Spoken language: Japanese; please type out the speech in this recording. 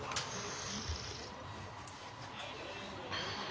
あ。